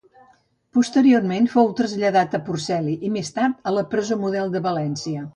Posteriorment fou traslladat a Portaceli i més tard a la Presó Model de València.